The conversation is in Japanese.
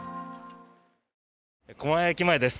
狛江駅前です。